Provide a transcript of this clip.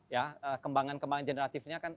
ya kembangan kembangan generatifnya kan